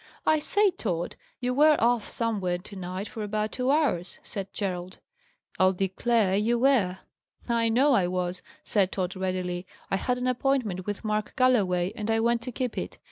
"I say, Tod, you were off somewhere to night for about two hours," said Gerald. "I'll declare you were." "I know I was," said Tod readily. "I had an appointment with Mark Galloway, and I went to keep it.